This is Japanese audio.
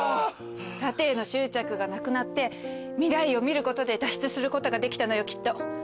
盾への執着がなくなって未来を見ることで脱出することができたのよきっと。